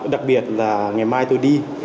đặc biệt là ngày mai tôi đi